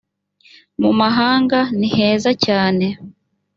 mu mahanga niheza cyane